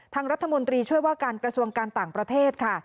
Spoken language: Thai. ทางรัฐมนตรีช่วยว่าการกระทรวงการต่างประเทศค่ะ